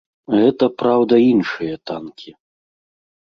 Гэта, праўда, іншыя танкі.